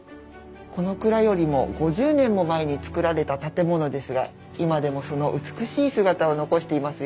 この蔵よりも５０年も前に造られた建物ですが今でもその美しい姿を残していますよね。